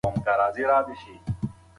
که ښځه سرکشه وي، نصيحت لومړی ګام دی.